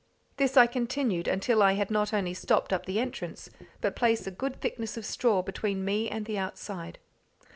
This I continued until I had not only stopped up the entrance, but placed a good thickness of straw between me and the outside.